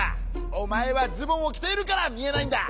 おまえはズボンをきているからみえないんだ。